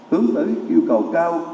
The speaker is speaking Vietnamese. hướng tới yêu cầu cao